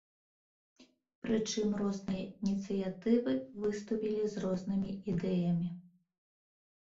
Прычым розныя ініцыятывы выступілі з рознымі ідэямі.